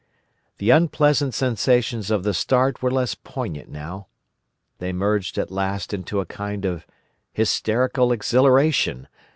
"The unpleasant sensations of the start were less poignant now. They merged at last into a kind of hysterical exhilaration.